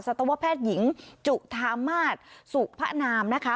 ตวแพทย์หญิงจุธามาศสุพนามนะคะ